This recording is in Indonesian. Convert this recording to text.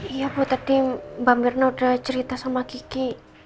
iya bu tadi mbak mirna udah cerita sama gigi